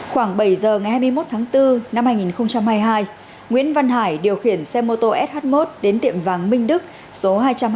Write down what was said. khoảng bảy giờ ngày hai mươi một tháng bốn năm hai nghìn hai mươi hai nguyễn văn hải điều khiển xe mô tô sh một đến tiệm vàng minh đức số hai trăm hai mươi